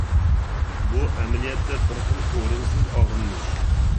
بۇ ئەمەلىيەتتە بىر خىل ئورۇنسىز ئاغرىنىش.